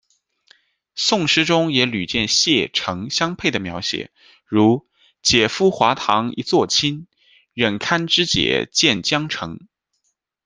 宋诗中也屡见蟹、橙相配的描写，如“解缚华堂一座倾，忍堪支解见姜橙”。